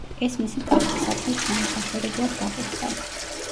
ეს მისი ტახტისათვის ჩამოსაშორებლად გაკეთდა.